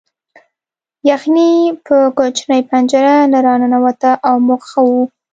یخني په کوچنۍ پنجره نه راننوته او موږ ښه وو